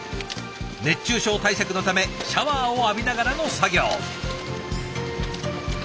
熱中症対策のためシャワーを浴びながらの作業。